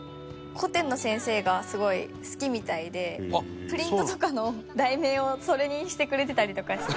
古典の先生がすごい好きみたいでプリントとかの題名をそれにしてくれてたりとかして。